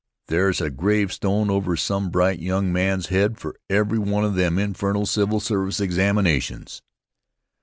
There's a gravestone over some bright young man's head for every one of them infernal civil service examinations.